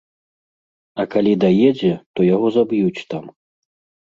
А калі даедзе, то яго заб'юць там.